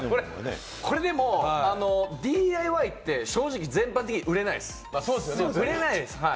これ、でも、ＤＩＹって正直、全般的に売れないです。